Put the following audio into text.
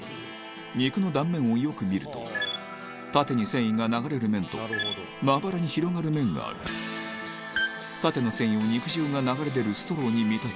肉の断面をよく見ると縦に繊維が流れる面とまばらに広がる面がある縦の繊維を肉汁が流れ出るストローに見立て